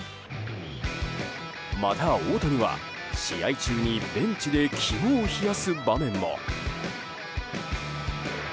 また、大谷は試合中にベンチで肝を冷やす場面も。